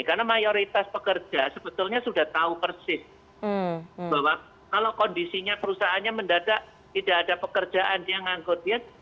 karena mayoritas pekerja sebetulnya sudah tahu persis bahwa kalau kondisinya perusahaannya mendadak tidak ada pekerjaan yang mengangkut dia